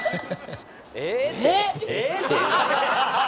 えっ？